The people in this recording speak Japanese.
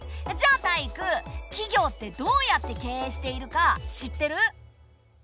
じゃあタイイク企業ってどうやって経営しているか知ってる？